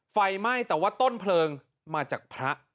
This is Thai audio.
ไฟไหม้แต่ว่าต้นเพลิงมาจากพระ